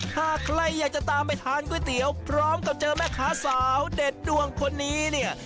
หากใครอยากจะตามไปทานก๋วยเตี๋ยวพร้อมกับเจอแม่ค้าสาวเด็ดดวงคนนี้เนี่ย